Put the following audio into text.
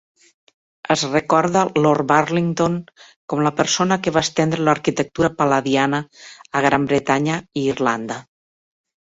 Es recorda Lord Burlington com la persona que va estendre l'arquitectura pal·ladiana a Gran Bretanya i Irlanda.